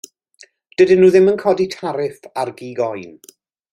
Dydyn nhw ddim yn codi tariff ar gig oen.